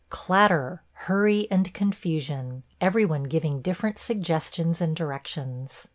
... Clatter, hurry, and confusion – every one giving different suggestions and directions.